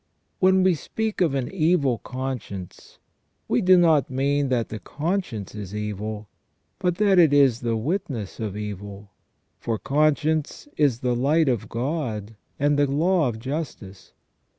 When we speak of an evil conscience we do not mean that the conscience is evil, but that it is the witness of evil ; for conscience is the light of God and the law of justice.